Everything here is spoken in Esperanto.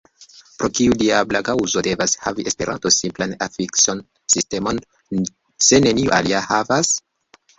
Pro kiu diabla kaŭzo devas havi Esperanto simplan afikso-sistemon, se neniu alia havas?